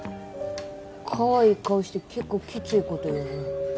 かわいい顔して結構きつい事言うね。